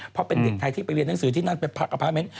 เพราะเป็นเด็กไทยที่ไปเรียนหนังสือที่นั่นไปพักอพาร์เมนต์